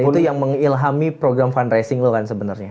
itu yang mengilhami program fundraising lo kan sebenarnya